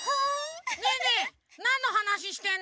ねえねえなんのはなししてんの？